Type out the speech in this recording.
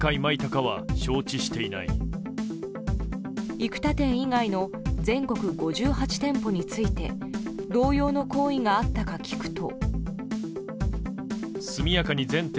生田店以外の全国５８店舗について同様の行為があったか聞くと。